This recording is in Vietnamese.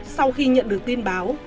sau khi nhận được tin báo